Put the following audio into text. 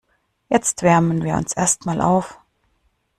Jetzt wärmen wir uns erst mal auf.